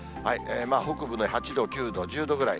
北部で８度、９度、１０度ぐらい。